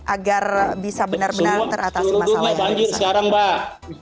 agar bisa benar benar teratasi masalah yang terjadi